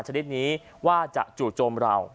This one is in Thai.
ชะดิษฐ์นี้ว่าจะจู่โจมเรา